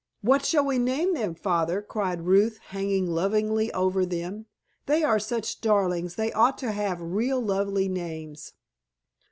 "What shall we name them, Father?" cried Ruth, hanging lovingly over them. "They are such darlings they ought to have real lovely names."